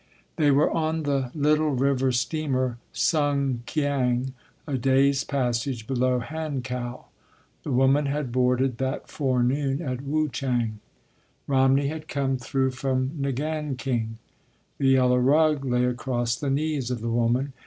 They were on the little river steamer, Sungkiang, a day’s passage below Hankow. The woman had boarded that forenoon at Wu chang. Romney had come through from Ngan king. The yellow rug lay across the knees of the woman.